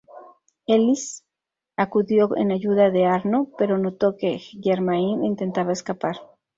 Élise acudió en ayuda de Arno, pero notó que Germain intentaba escapar.